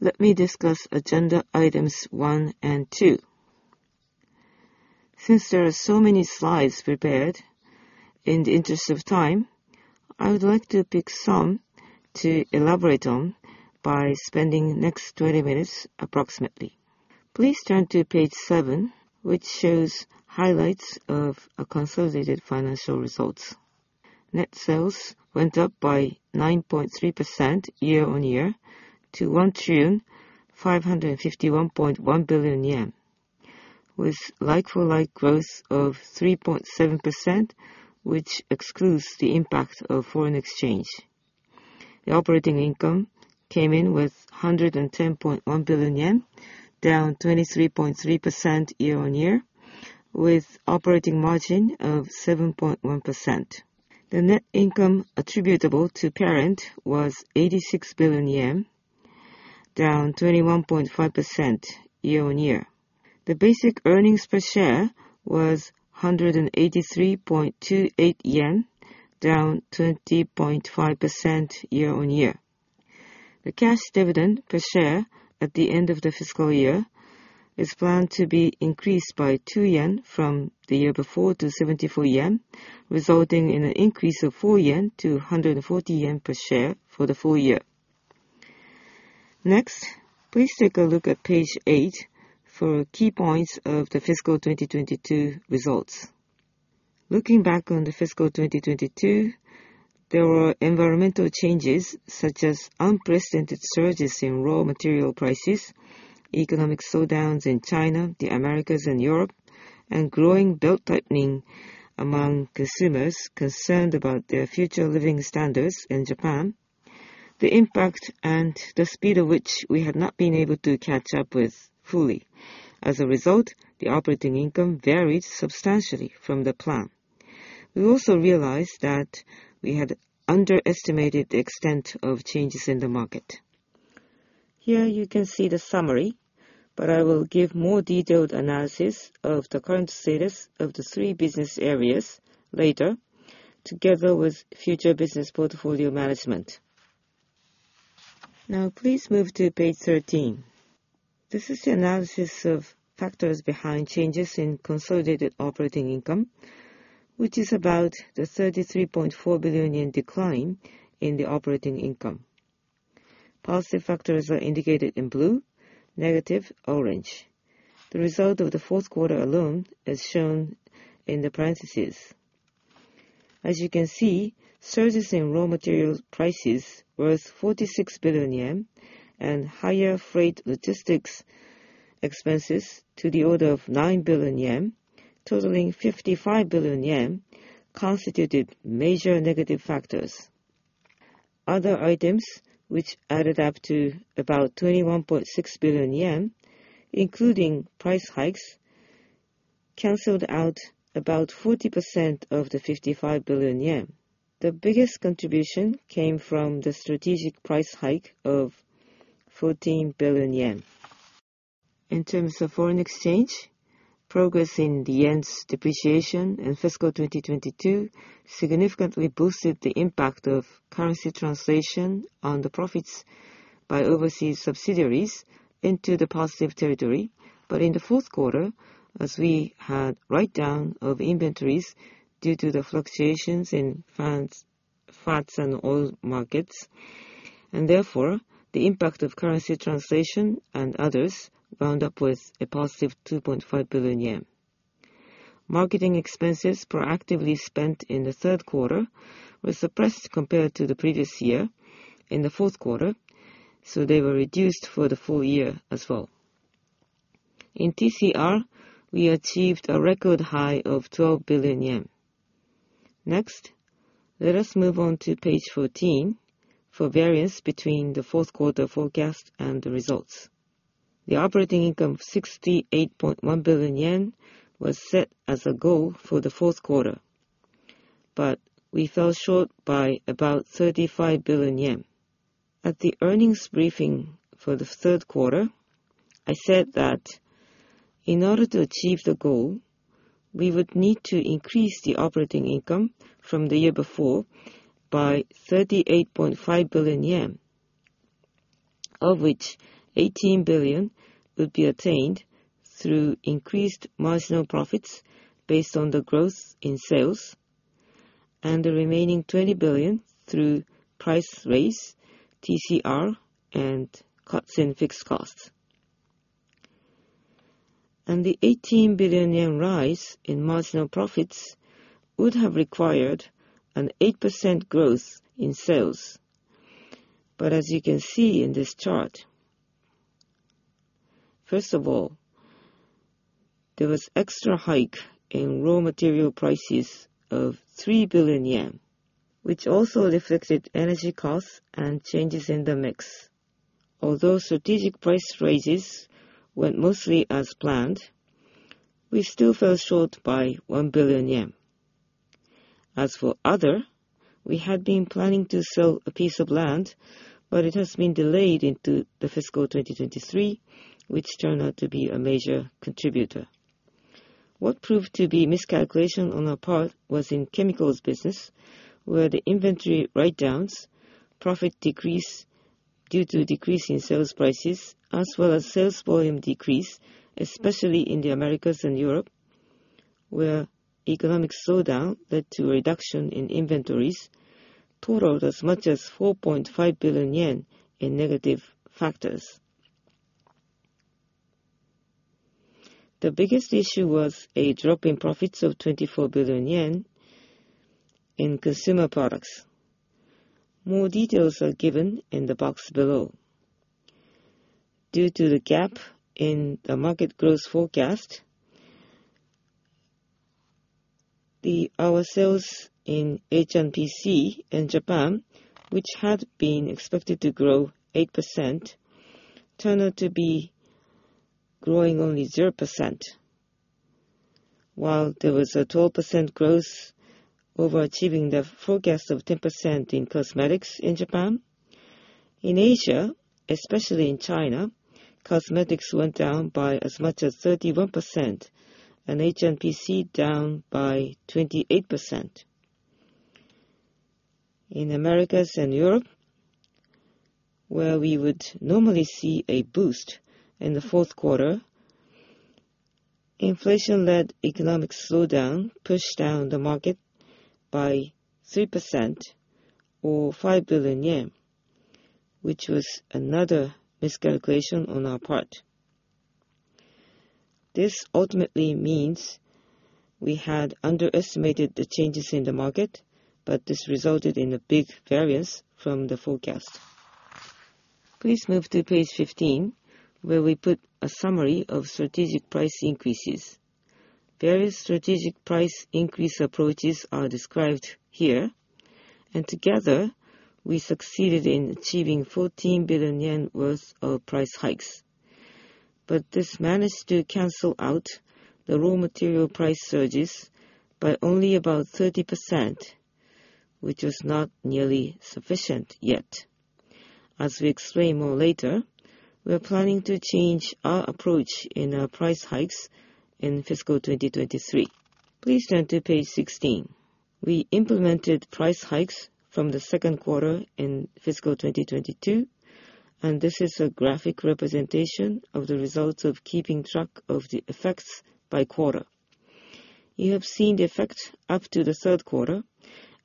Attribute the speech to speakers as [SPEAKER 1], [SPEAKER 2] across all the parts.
[SPEAKER 1] Let me discuss agenda items 1 and 2. Since there are so many slides prepared, in the interest of time, I would like to pick some to elaborate on by spending the next 20 minutes approximately. Please turn to page 7, which shows highlights of our consolidated financial results. Net sales went up by 9.3% year-on-year to 1,551.1 billion yen, with like-for-like growth of 3.7%, which excludes the impact of foreign exchange. The operating income came in with 110.1 billion yen, down 23.3% year-on-year, with operating margin of 7.1%. The net income attributable to parent was 86 billion yen, down 21.5% year-on-year. The basic earnings per share was 183.28 yen, down 20.5% year-on-year. The cash dividend per share at the end of the fiscal year is planned to be increased by 2 yen from the year before to 74 yen, resulting in an increase of 4 yen to 140 yen per share for the full year. Please take a look at page 8 for key points of the fiscal 2022 results. Looking back on the fiscal 2022, there were environmental changes such as unprecedented surges in raw material prices, economic slowdowns in China, the Americas, and Europe, and growing belt-tightening among consumers concerned about their future living standards in Japan. The impact and the speed of which we had not been able to catch up with fully. As a result, the operating income varied substantially from the plan. We also realized that we had underestimated the extent of changes in the market. Here you can see the summary. I will give more detailed analysis of the current status of the three business areas later, together with future business portfolio management. Now, please move to page 13. This is the analysis of factors behind changes in consolidated operating income, which is about the 33.4 billion yen decline in the operating income. Positive factors are indicated in blue, negative, orange. The result of the 4th quarter alone is shown in the parentheses. As you can see, surges in raw material prices was 46 billion yen and higher freight logistics expenses to the order of 9 billion yen, totaling 55 billion yen, constituted major negative factors. Other items which added up to about 21.6 billion yen, including price hikes, canceled out about 40% of the 55 billion yen. The biggest contribution came from the strategic price hike of 14 billion yen. In terms of foreign exchange, progress in the yen's depreciation in fiscal 2022 significantly boosted the impact of currency translation on the profits by overseas subsidiaries into the positive territory. In the fourth quarter, as we had write-down of inventories due to the fluctuations in fats and oil markets, and therefore, the impact of currency translation and others wound up with a positive 2.5 billion yen. Marketing expenses proactively spent in the third quarter were suppressed compared to the previous year in the fourth quarter, so they were reduced for the full year as well. In TCR, we achieved a record high of 12 billion yen. Next, let us move on to page 14 for variance between the fourth quarter forecast and the results. The operating income of 68.1 billion yen was set as a goal for the fourth quarter, but we fell short by about 35 billion yen. At the earnings briefing for the third quarter, I said that in order to achieve the goal, we would need to increase the operating income from the year before by 38.5 billion yen, of which 18 billion would be attained through increased marginal profits based on the growth in sales, and the remaining 20 billion through price raise, TCR, and cuts in fixed costs. The 18 billion yen rise in marginal profits would have required an 8% growth in sales. As you can see in this chart, first of all, there was extra hike in raw material prices of 3 billion yen, which also reflected energy costs and changes in the mix. Although strategic price raises went mostly as planned, we still fell short by 1 billion yen. As for other, we had been planning to sell a piece of land, but it has been delayed into the fiscal 2023, which turned out to be a major contributor. What proved to be miscalculation on our part was in chemicals business, where the inventory write-downs, profit decrease due to decrease in sales prices, as well as sales volume decrease, especially in the Americas and Europe, where economic slowdown led to a reduction in inventories, totaled as much as 4.5 billion yen in negative factors. The biggest issue was a drop in profits of 24 billion yen in consumer products. More details are given in the box below. Due to the gap in the market growth forecast, our sales in HNPC in Japan, which had been expected to grow 8%, turned out to be growing only 0%, while there was a 12% growth over achieving the forecast of 10% in cosmetics in Japan. In Asia, especially in China, cosmetics went down by as much as 31%, and HNPC down by 28%. In Americas and Europe, where we would normally see a boost in the fourth quarter, inflation-led economic slowdown pushed down the market by 3% or 5 billion yen, which was another miscalculation on our part. This ultimately means we had underestimated the changes in the market, but this resulted in a big variance from the forecast. Please move to page 15, where we put a summary of strategic price increases. Various strategic price increase approaches are described here, and together, we succeeded in achieving 14 billion yen worth of price hikes. This managed to cancel out the raw material price surges by only about 30%, which was not nearly sufficient yet. As we explain more later, we're planning to change our approach in our price hikes in fiscal 2023. Please turn to page 16. We implemented price hikes from the second quarter in fiscal 2022, and this is a graphic representation of the results of keeping track of the effects by quarter. You have seen the effect up to the third quarter,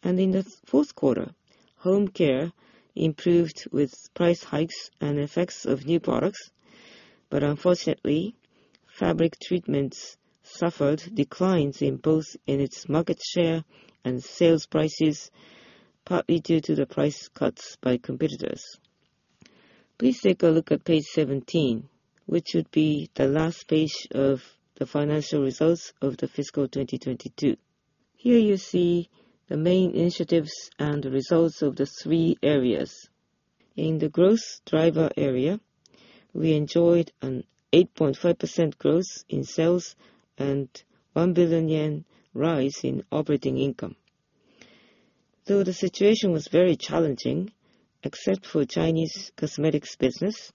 [SPEAKER 1] and in the fourth quarter, home care improved with price hikes and effects of new products. Unfortunately, fabric treatments suffered declines in both its market share and sales prices, partly due to the price cuts by competitors. Please take a look at page 17, which would be the last page of the financial results of the fiscal 2022. Here you see the main initiatives and the results of the three areas. In the growth driver area, we enjoyed an 8.5% growth in sales and 1 billion yen rise in operating income. Though the situation was very challenging, except for Chinese cosmetics business,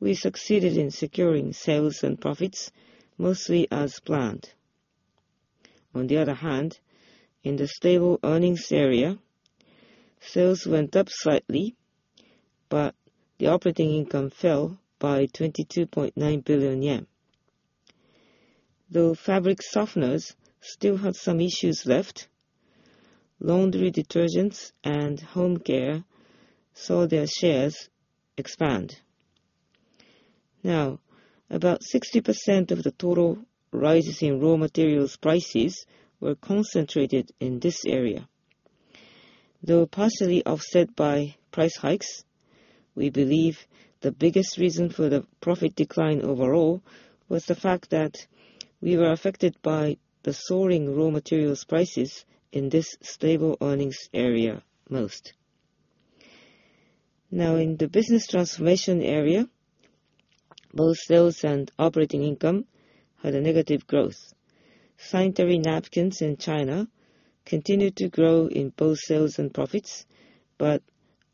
[SPEAKER 1] we succeeded in securing sales and profits mostly as planned. On the other hand, in the stable earnings area, sales went up slightly, but the operating income fell by 22.9 billion yen. Though fabric softeners still have some issues left, laundry detergents and home care saw their shares expand. About 60% of the total rises in raw materials prices were concentrated in this area. Though partially offset by price hikes, we believe the biggest reason for the profit decline overall was the fact that we were affected by the soaring raw materials prices in this stable earnings area most. In the business transformation area, both sales and operating income had a negative growth. Sanitary napkins in China continued to grow in both sales and profits, but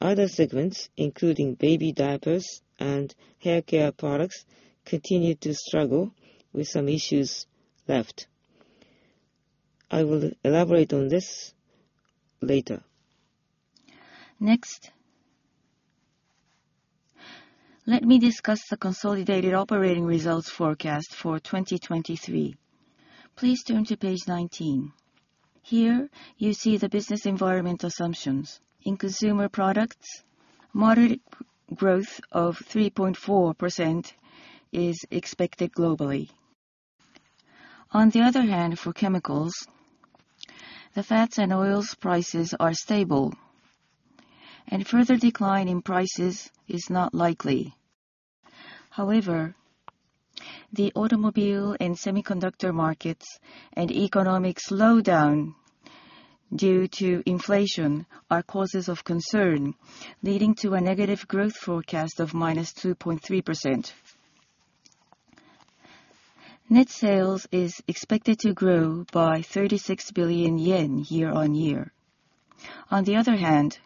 [SPEAKER 1] other segments, including baby diapers and hair care products, continued to struggle with some issues left. I will elaborate on this later. Let me discuss the consolidated operating results forecast for 2023. Please turn to page 19. Here you see the business environment assumptions. In consumer products, moderate growth of 3.4% is expected globally. On the other hand, for chemicals, the fats and oils prices are stable, and further decline in prices is not likely. However, the automobile and semiconductor markets and economic slowdown due to inflation are causes of concern, leading to a negative growth forecast of -2.3%. Net sales is expected to grow by 36 billion yen year-over-year. On the other hand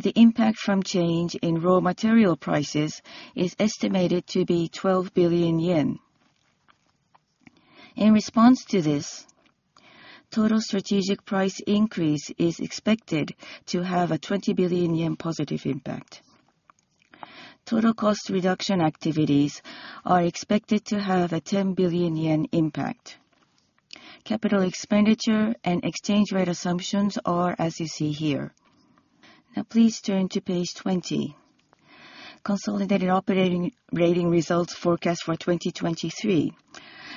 [SPEAKER 1] The impact from change in raw material prices is estimated to be 12 billion yen. In response to this, total strategic price increase is expected to have a 20 billion yen positive impact. Total cost reduction activities are expected to have a 10 billion yen impact. Capital expenditure and exchange rate assumptions are as you see here. Now please turn to page 20. Consolidated operating, rating results forecast for 2023.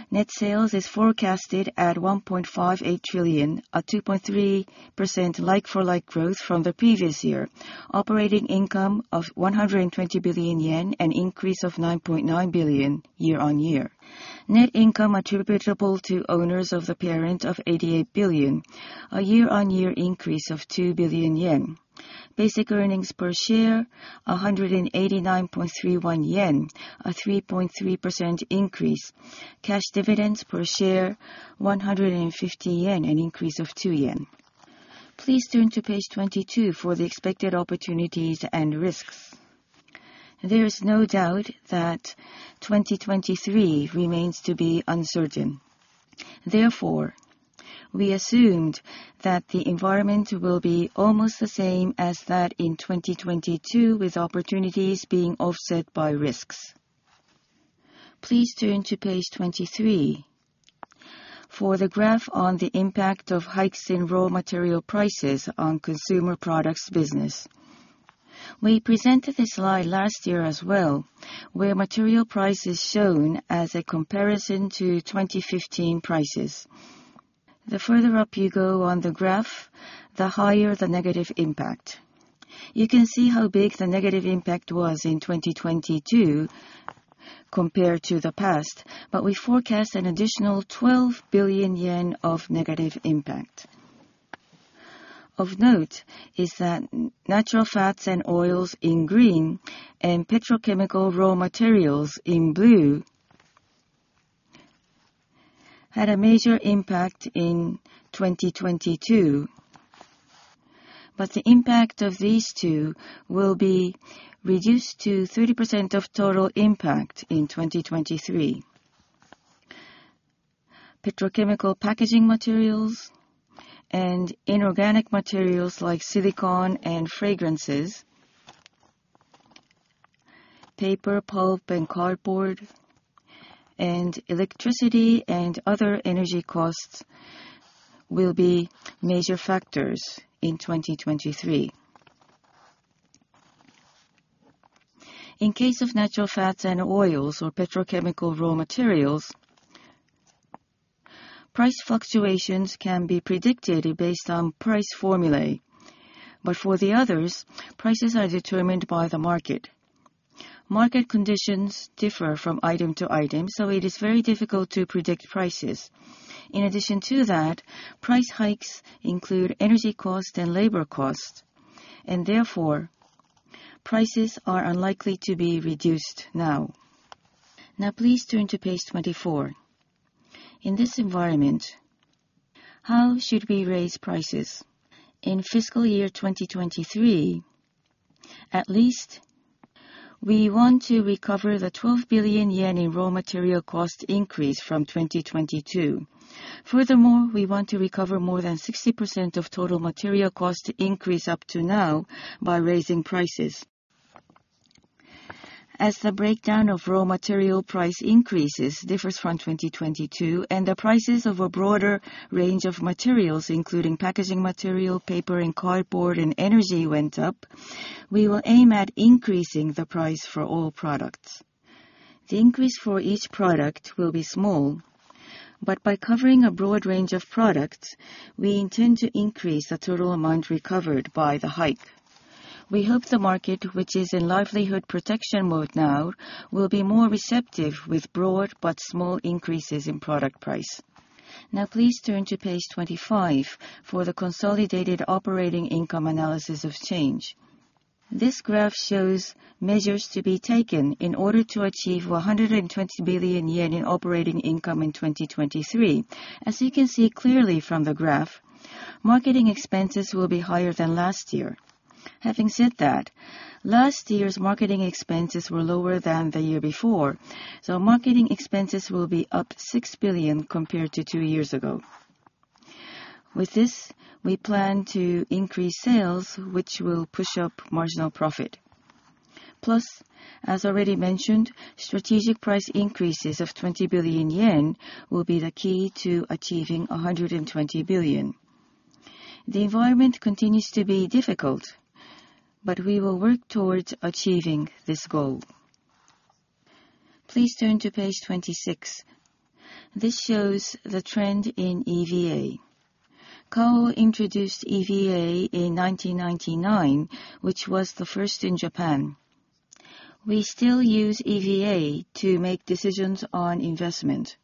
[SPEAKER 1] Net sales is forecasted at 1.58 trillion, a 2.3% like-for-like growth from the previous year. Operating income of 120 billion yen, an increase of 9.9 billion year-on-year. Net income attributable to owners of the parent of 88 billion, a year-on-year increase of 2 billion yen. Basic earnings per share 189.31 yen, a 3.3% increase. Cash dividends per share 150 yen, an increase of 2 yen. Please turn to page 22 for the expected opportunities and risks. There is no doubt that 2023 remains to be uncertain. We assumed that the environment will be almost the same as that in 2022, with opportunities being offset by risks. Please turn to page 23 for the graph on the impact of hikes in raw material prices on consumer products business. We presented this slide last year as well, where material price is shown as a comparison to 2015 prices. The further up you go on the graph, the higher the negative impact. You can see how big the negative impact was in 2022 compared to the past, we forecast an additional 12 billion yen of negative impact. Of note is that natural fats and oils in green and petrochemical raw materials in blue had a major impact in 2022. The impact of these two will be reduced to 30% of total impact in 2023. Petrochemical packaging materials and inorganic materials like silicone and fragrances, paper pulp and cardboard, and electricity and other energy costs will be major factors in 2023. In case of natural fats and oils or petrochemical raw materials, price fluctuations can be predicted based on price formulae. For the others, prices are determined by the market. Market conditions differ from item to item, so it is very difficult to predict prices. In addition to that, price hikes include energy cost and labor cost, and therefore, prices are unlikely to be reduced now. Now please turn to page 24. In this environment, how should we raise prices? In fiscal year 2023, at least we want to recover the 12 billion yen in raw material cost increase from 2022. Furthermore, we want to recover more than 60% of total material cost increase up to now by raising prices. As the breakdown of raw material price increases differs from 2022 and the prices of a broader range of materials, including packaging material, paper and cardboard, and energy went up, we will aim at increasing the price for all products. The increase for each product will be small, but by covering a broad range of products, we intend to increase the total amount recovered by the hike. We hope the market, which is in livelihood protection mode now, will be more receptive with broad but small increases in product price. Now please turn to page 25 for the consolidated operating income analysis of change. This graph shows measures to be taken in order to achieve 120 billion yen in operating income in 2023. As you can see clearly from the graph, marketing expenses will be higher than last year. Having said that, last year's marketing expenses were lower than the year before, so marketing expenses will be up 6 billion compared to two years ago. With this, we plan to increase sales, which will push up marginal profit. Plus, as already mentioned, strategic price increases of 20 billion yen will be the key to achieving 120 billion. The environment continues to be difficult, but we will work towards achieving this goal. Please turn to page 26. This shows the trend in EVA. Kao introduced EVA in 1999, which was the first in Japan. We still use EVA to make decisions on investment.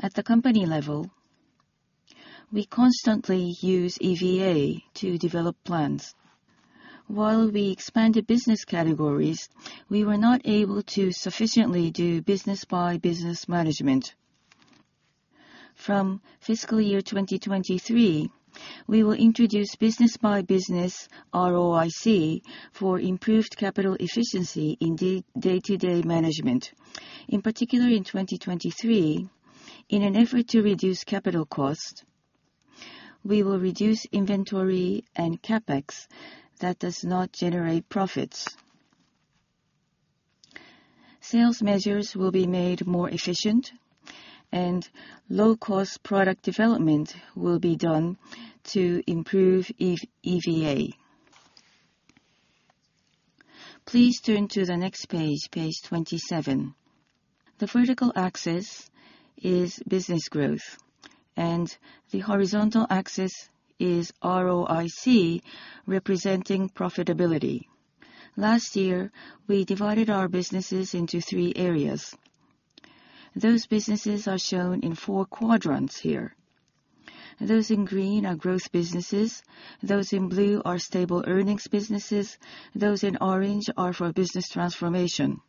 [SPEAKER 1] At the company level, we constantly use EVA to develop plans. While we expanded business categories, we were not able to sufficiently do business-by-business management. From fiscal year 2023, we will introduce business by business ROIC for improved capital efficiency in day-to-day management. In particular, in 2023, in an effort to reduce capital costs, we will reduce inventory and CapEx that does not generate profits. Sales measures will be made more efficient and low cost product development will be done to improve EVA. Please turn to the next page 27. The vertical axis is business growth, and the horizontal axis is ROIC, representing profitability. Last year, we divided our businesses into three areas. Those businesses are shown in four quadrants here. Those in green are growth businesses, those in blue are stable earnings businesses, those in orange are for business transformation.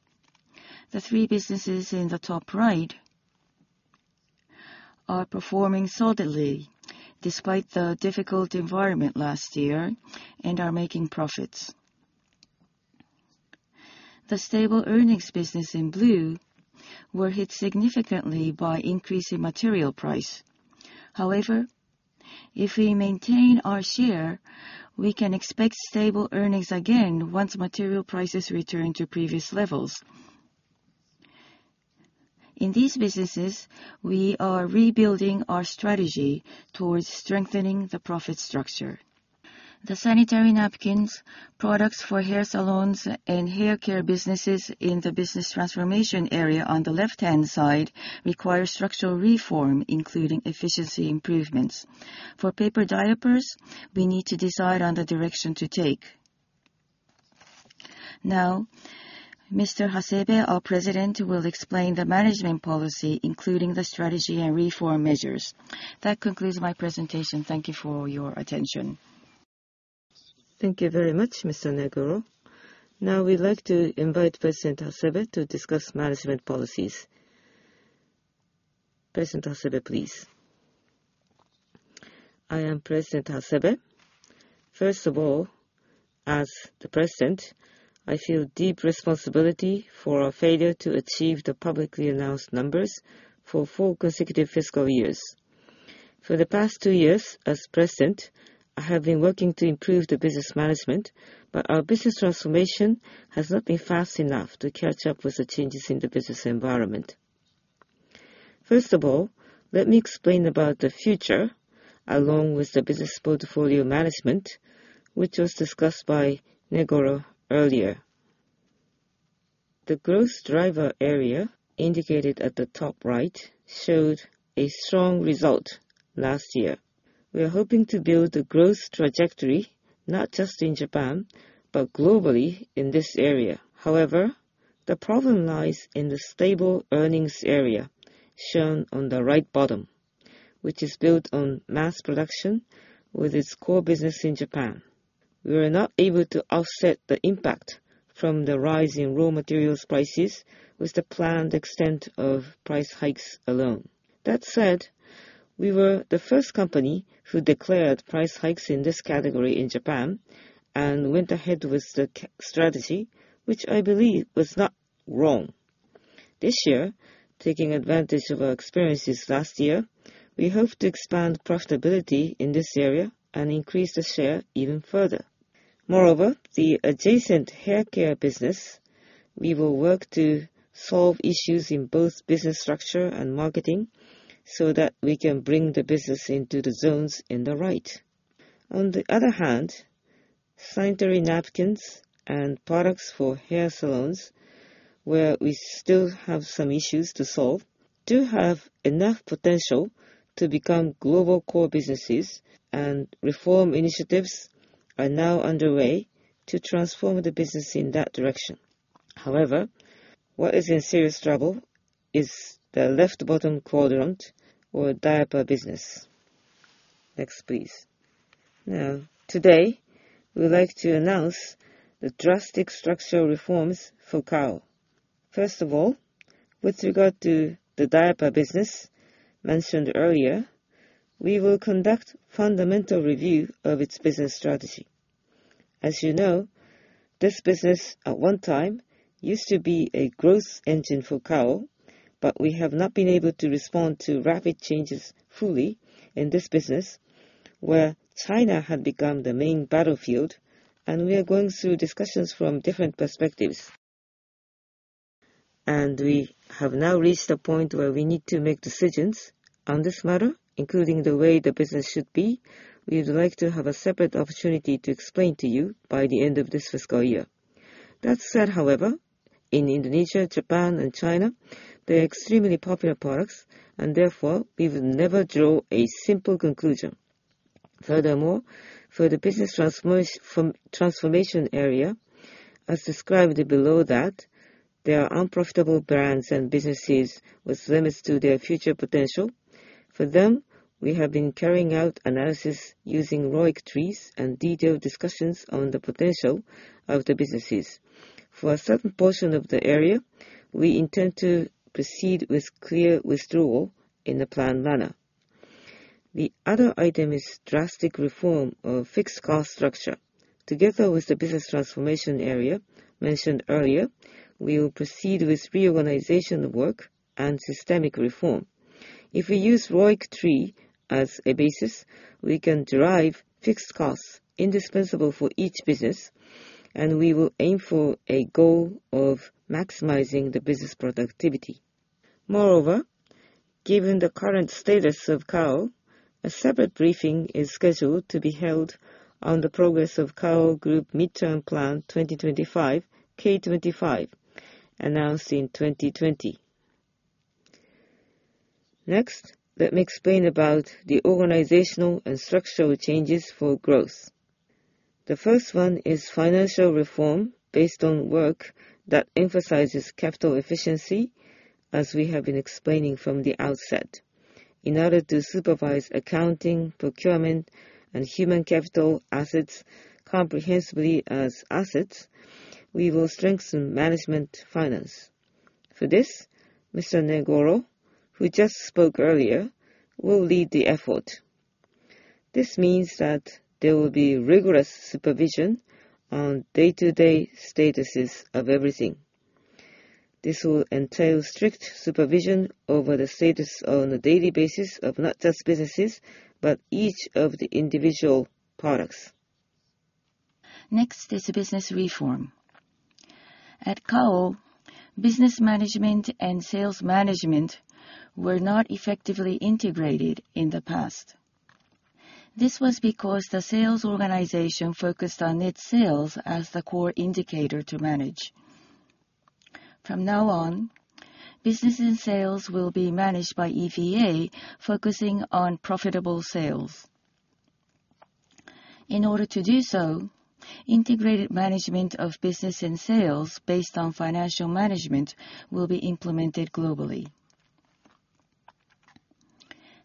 [SPEAKER 1] The three businesses in the top right are performing solidly despite the difficult environment last year and are making profits. The stable earnings business in blue were hit significantly by increase in material price. However, if we maintain our share, we can expect stable earnings again once material prices return to previous levels. In these businesses, we are rebuilding our strategy towards strengthening the profit structure. The sanitary napkins, products for hair salons, and hair care businesses in the business transformation area on the left-hand side require structural reform, including efficiency improvements. For paper diapers, we need to decide on the direction to take. Now, Mr. Hasebe, our president, will explain the management policy, including the strategy and reform measures. That concludes my presentation. Thank you for your attention. Thank you very much, Mr. Negoro. Now we'd like to invite President Hasebe to discuss management policies. President Hasebe, please.
[SPEAKER 2] I am President Hasebe. As the president, I feel deep responsibility for our failure to achieve the publicly announced numbers for 4 consecutive fiscal years. For the past 2 years as president, I have been working to improve the business management, our business transformation has not been fast enough to catch up with the changes in the business environment. Let me explain about the future, along with the business portfolio management, which was discussed by Negoro earlier. The growth driver area indicated at the top right showed a strong result last year. We are hoping to build a growth trajectory, not just in Japan, but globally in this area. The problem lies in the stable earnings area shown on the right bottom, which is built on mass production with its core business in Japan. We were not able to offset the impact from the rise in raw materials prices with the planned extent of price hikes alone. That said, we were the first company who declared price hikes in this category in Japan and went ahead with the strategy, which I believe was not wrong. This year, taking advantage of our experiences last year, we hope to expand profitability in this area and increase the share even further. The adjacent hair care business, we will work to solve issues in both business structure and marketing so that we can bring the business into the zones in the right. Sanitary napkins and products for hair salons, where we still have some issues to solve, do have enough potential to become global core businesses, and reform initiatives are now underway to transform the business in that direction. However, what is in serious trouble is the left bottom quadrant or diaper business. Next, please. Now, today, we would like to announce the drastic structural reforms for Kao. First of all, with regard to the diaper business mentioned earlier, we will conduct fundamental review of its business strategy. As you know, this business at one time used to be a growth engine for Kao, but we have not been able to respond to rapid changes fully in this business, where China had become the main battlefield and we are going through discussions from different perspectives. We have now reached a point where we need to make decisions on this matter, including the way the business should be. We would like to have a separate opportunity to explain to you by the end of this fiscal year. That said, however, in Indonesia, Japan and China, they are extremely popular products and therefore we would never draw a simple conclusion. Furthermore, for the business from transformation area, as described below that, there are unprofitable brands and businesses with limits to their future potential. For them. We have been carrying out analysis using ROIC trees and detailed discussions on the potential of the businesses. For a certain portion of the area, we intend to proceed with clear withdrawal in a planned manner. The other item is drastic reform of fixed cost structure. Together with the business transformation area mentioned earlier, we will proceed with reorganization work and systemic reform. If we use ROIC tree as a basis, we can derive fixed costs indispensable for each business, and we will aim for a goal of maximizing the business productivity. Moreover, given the current status of Kao, a separate briefing is scheduled to be held on the progress of Kao Group Mid-term Plan 2025, K25, announced in 2020. Next, let me explain about the organizational and structural changes for growth. The first one is financial reform based on work that emphasizes capital efficiency as we have been explaining from the outset. In order to supervise accounting, procurement, and human capital assets comprehensively as assets, we will strengthen management finance. For this, Mr. Negoro, who just spoke earlier, will lead the effort. This means that there will be rigorous supervision on day-to-day statuses of everything. This will entail strict supervision over the status on a daily basis of not just businesses, but each of the individual products. Next is business reform. At Kao, business management and sales management were not effectively integrated in the past. This was because the sales organization focused on net sales as the core indicator to manage. From now on, business and sales will be managed by EVA, focusing on profitable sales. In order to do so, integrated management of business and sales based on financial management will be implemented globally.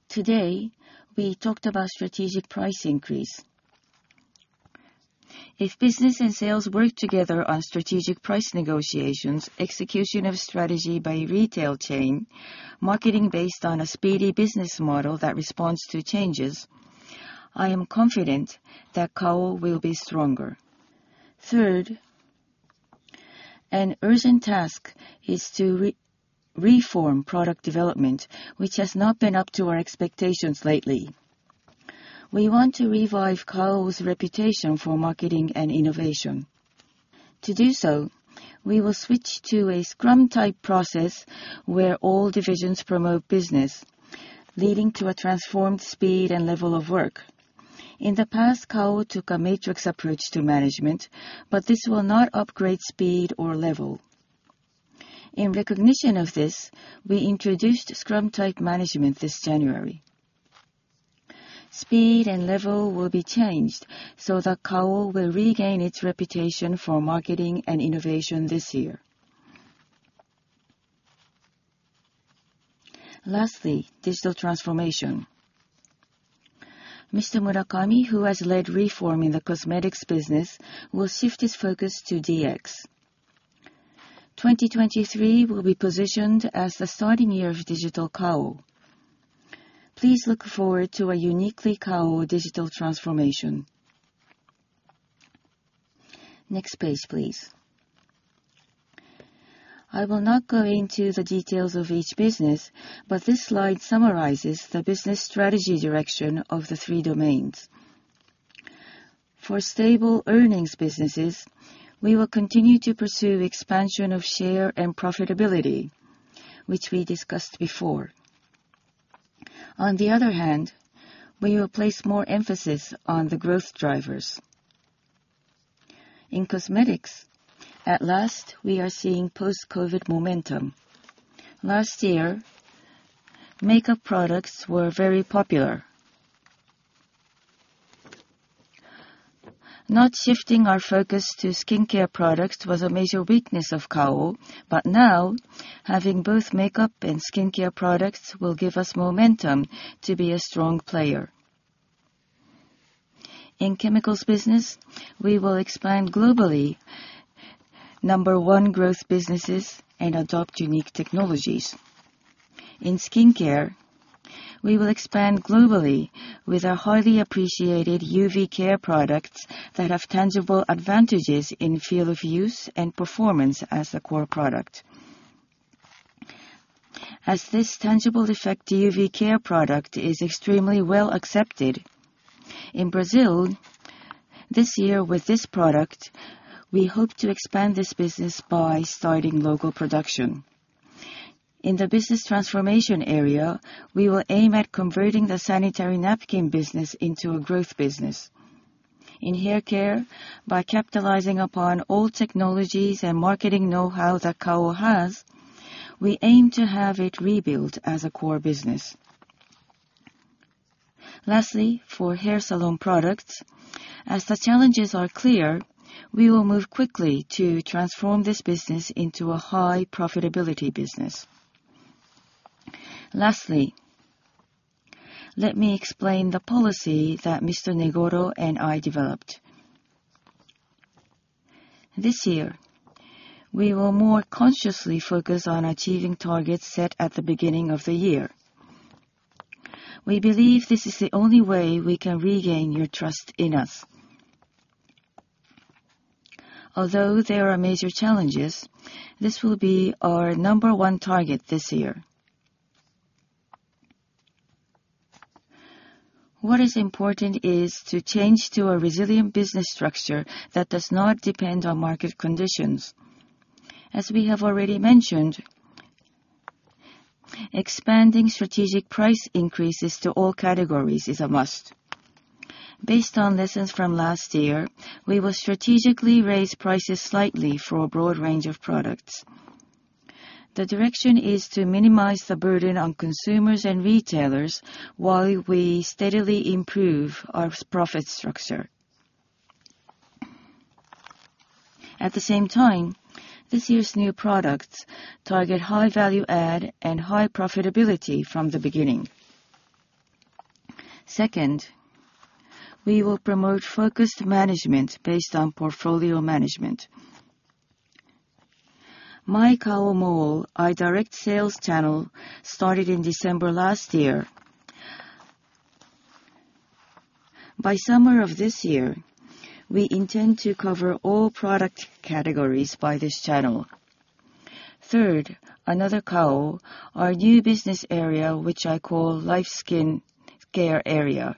[SPEAKER 2] Today, we talked about strategic price increase. If business and sales work together on strategic price negotiations, execution of strategy by retail chain, marketing based on a speedy business model that responds to changes, I am confident that Kao will be stronger. Third, an urgent task is to reform product development, which has not been up to our expectations lately. We want to revive Kao's reputation for marketing and innovation. To do so, we will switch to a scrum type process where all divisions promote business, leading to a transformed speed and level of work. In the past, Kao took a matrix approach to management, but this will not upgrade speed or level. In recognition of this, we introduced scrum type management this January. Speed and level will be changed so that Kao will regain its reputation for marketing and innovation this year. Lastly, digital transformation. Mr. Murakami, who has led reform in the cosmetics business, will shift his focus to DX. 2023 will be positioned as the starting year of digital Kao. Please look forward to a uniquely Kao digital transformation. Next page, please. I will not go into the details of each business, but this slide summarizes the business strategy direction of the three domains. For stable earnings businesses, we will continue to pursue expansion of share and profitability, which we discussed before. On the other hand, we will place more emphasis on the growth drivers. In cosmetics, at last, we are seeing post-COVID momentum. Last year, makeup products were very popular. Not shifting our focus to skincare products was a major weakness of Kao, but now having both makeup and skincare products will give us momentum to be a strong player. In chemicals business, we will expand globally number one growth businesses and adopt unique technologies. In skincare, we will expand globally with our highly appreciated UV care products that have tangible advantages in field of use and performance as a core product. As this tangible effect UV care product is extremely well accepted. In Brazil, this year with this product, we hope to expand this business by starting local production. In the business transformation area, we will aim at converting the sanitary napkin business into a growth business. In hair care, by capitalizing upon all technologies and marketing know-how that Kao has, we aim to have it rebuilt as a core business. Lastly, for hair salon products. As the challenges are clear, we will move quickly to transform this business into a high profitability business. Lastly, let me explain the policy that Mr. Negoro and I developed. This year, we will more consciously focus on achieving targets set at the beginning of the year. We believe this is the only way we can regain your trust in us. Although there are major challenges, this will be our number one target this year. What is important is to change to a resilient business structure that does not depend on market conditions. As we have already mentioned, expanding strategic price increases to all categories is a must. Based on lessons from last year, we will strategically raise prices slightly for a broad range of products. The direction is to minimize the burden on consumers and retailers while we steadily improve our profit structure. At the same time, this year's new products target high value add and high profitability from the beginning. Second, we will promote focused management based on portfolio management. My Kao Mall, our direct sales channel, started in December last year. By summer of this year, we intend to cover all product categories by this channel. Third, Another Kao, our new business area, which I call Life Skin Care Area.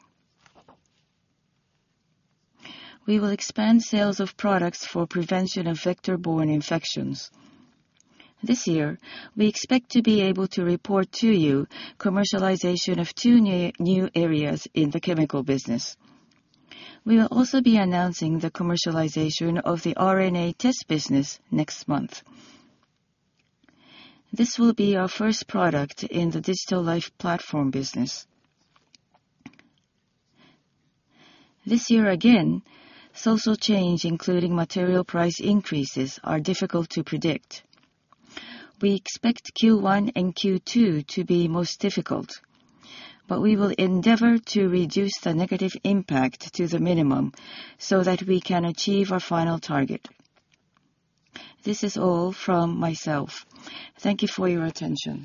[SPEAKER 2] We will expand sales of products for prevention of vector-borne infections. This year, we expect to be able to report to you commercialization of 2 new areas in the chemical business. We will also be announcing the commercialization of the RNA test business next month. This will be our first product in the digital life platform business. This year again, social change, including material price increases, are difficult to predict. We expect Q1 and Q2 to be most difficult, but we will endeavor to reduce the negative impact to the minimum so that we can achieve our final target. This is all from myself. Thank you for your attention.